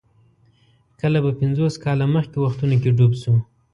کله به پنځوس کاله مخکې وختونو کې ډوب شو.